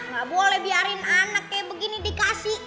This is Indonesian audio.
gak boleh biarin anak kayak begini dikasih